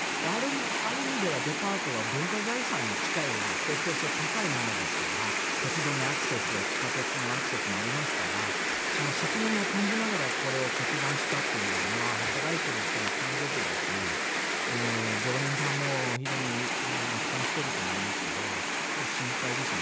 ある意味ではデパートは文化財産に近いような公共性の高いものですから鉄道のアクセスや地下鉄のアクセスもありますからその責任も感じながらこれを決断したというのは働いている人も気の毒だし常連さんも非常に落胆していると思いますがちょっと心配ですね。